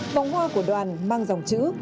vòng hoa của đoàn mang dòng chữ